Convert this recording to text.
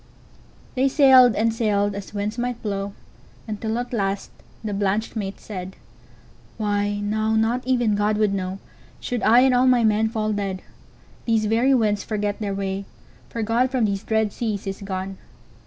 '"They sailed and sailed, as winds might blow, Until at last the blanched mate said:"Why, now not even God would knowShould I and all my men fall dead. These very winds forget their way, For God from these dread seas is gone.